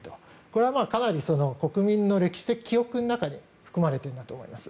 これはかなり国民の歴史的記憶の中に含まれているんだと思います。